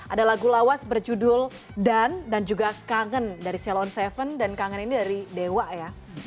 ada lagu lawas berjudul dan juga kangen dari celon tujuh dan kangen ini dari dewa ya